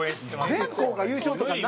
全校が優勝とかない。